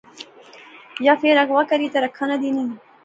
یا فیر اغوا کری تے رکھا ناں دینی